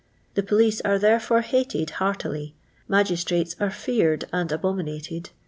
Thf police are ther^ fore hated , h> :ir'.iiy, magiitnt^'H are feared and abominated, ai.'